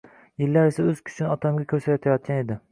Yillar esa oʻz kuchini otamga koʻrsatayotgan edi